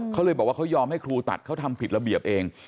เขาเลยบอกว่าเขายอมให้ครูตัดเขาทำผิดระเบียบเอง